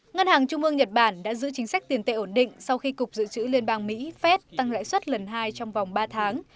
ngân hàng trung ương nhật bản đã giữ chính sách tiền tệ ổn định sau khi cục dự trữ liên bang mỹ phép tăng lãi suất lần hai trong vòng ba tháng